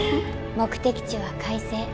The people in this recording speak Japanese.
目的地は快晴。